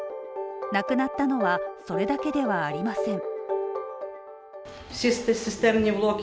なくなったのは、それだけではありません。